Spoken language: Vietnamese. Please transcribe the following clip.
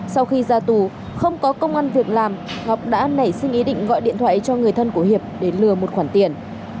sau khi ra tù không có công an việc làm ngọc đã nảy sinh ý định gọi điện thoại cho người thân của hiệp để lừa một khoản tiền